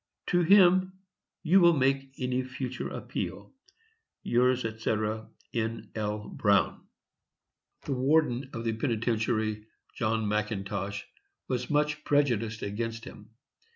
To him you will make any future appeal. "Yours, &c. N. L. BROWN." The warden of the penitentiary, John McIntosh, was much prejudiced against him.